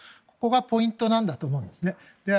ここがポイントなんだと思うんですね。